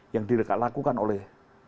yang dilakukan oleh